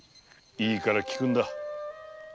いいから聞くんだ